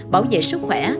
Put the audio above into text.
bảo vệ sức khỏe